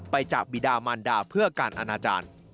จากบิดามันดาเพื่อการอนาจารย์